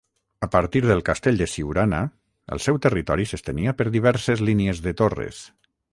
A partir del castell de Siurana, el seu territori s'estenia per diverses línies de torres.